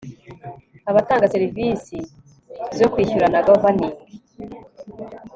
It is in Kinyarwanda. ABATANGA SERIVISI ZO KWISHYURANA GOVERNING